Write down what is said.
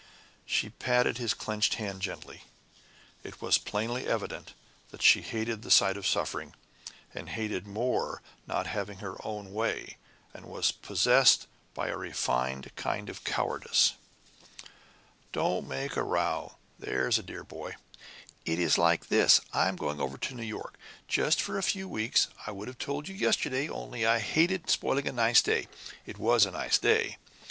She patted his clenched hand gently. It was plainly evident that she hated the sight of suffering, and hated more not having her own way, and was possessed by a refined kind of cowardice. "Don't make a row, there's a dear boy! It is like this: I am going over to New York, just for a few weeks. I would have told you yesterday, only I hated spoiling a nice day. It was a nice day?